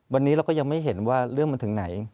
วันนี้เราก็ยังไม่เห็นว่าเรื่องมันถึงไหน